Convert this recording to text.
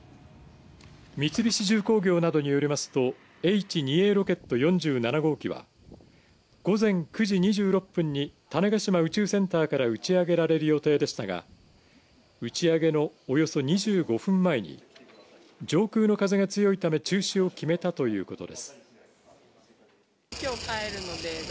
三菱重工業などによりますとＨ２Ａロケット４７号機は午前９時２６分に種子島宇宙センターから打ち上げられる予定でしたが打ち上げのおよそ２５分前に上空の風が強いため中止を決めたということです。